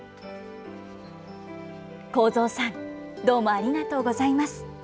孝三さん、どうもありがとうございます。